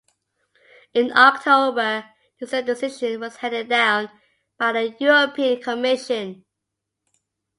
In October, the same decision was handed down by the European Commission.